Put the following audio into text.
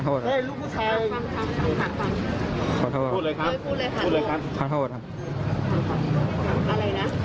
ก่อนที่เราจะไม่ได้พูดมีอะไรอยากพูดหรือเขาไหม